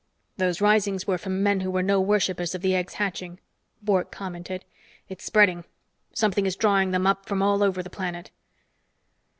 "Those risings were from men who were no worshippers of the egg's hatching," Bork commented. "It's spreading. Something is drawing them up from all over the planet."